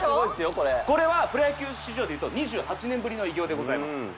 これはプロ野球史上で言うと２８年ぶりの偉業でございます。